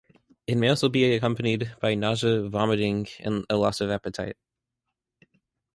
It may also be accompanied by nausea, vomiting, and a loss of appetite.